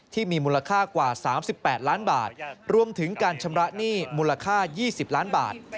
ที่มีมูลค่ากว่า๓๘ล้านบาทรวมถึงการชำระหนี้มูลค่า๒๐ล้านบาท